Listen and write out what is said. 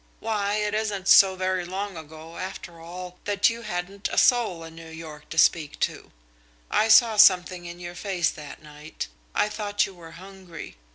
Why, it isn't so very long ago, after all, that you hadn't a soul in New York to speak to. I saw something in your face that night. I thought you were hungry.